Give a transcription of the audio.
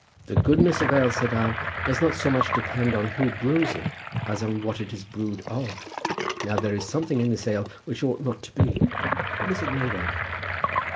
"The goodness of ale," said I, "does not so much depend on who brews it as on what it is brewed of. Now there is something in this ale which ought not to be. What is it made of?"